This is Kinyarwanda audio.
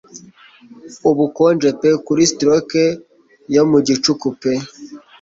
Ubukonje pe kuri stroke yo mu gicuku pe